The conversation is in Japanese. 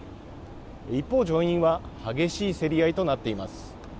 一方、上院は激しい競り合いとなっています。